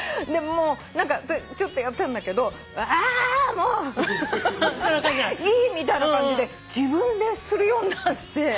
何かちょっとやったんだけど「あもう！いい！」みたいな感じで自分でするようになって。